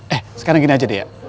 eh sekarang gini aja deh ya